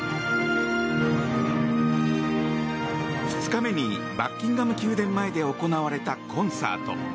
２日目にバッキンガム宮殿前で行われたコンサート。